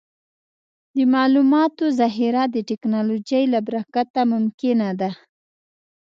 د معلوماتو ذخیره د ټکنالوجۍ له برکته ممکنه ده.